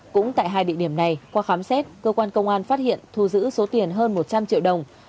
cũng tại hai địa điểm này qua khám xét cơ quan công an phát hiện thu giữ số tiền hơn một trăm linh triệu đồng